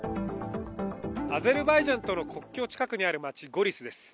アゼルバイジャンとの国境近くにある町ゴリスです。